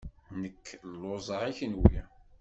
Nekk lluẓeɣ. I kenwi?